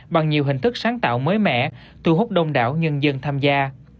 bằng nhiều hình thức sáng tạo mới mẻ thu hút đông đảo nhân dân tham gia